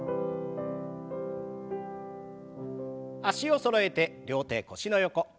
脚をそろえて両手腰の横。